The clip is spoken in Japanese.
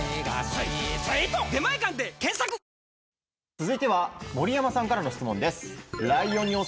続いては盛山さんからの質問です。